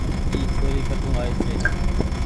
اي ڇوري ڪٺو آئي ڇي۔